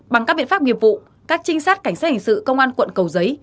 bằng các biện pháp nghiệp vụ các trinh sát cảnh sát hình sự công an quận cầu giấy